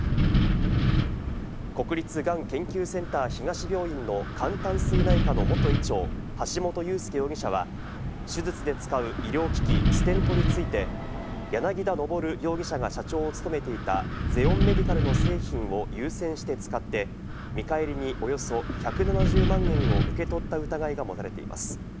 国立がん研究センター東病院の肝胆膵内科の元医長、橋本裕輔容疑者は、手術で使う医療機器・ステントについて、柳田昇容疑者が社長を務めていた、ゼオンメディカルの製品を優先して使って、見返りにおよそ１７０万円を受け取った疑いが持たれています。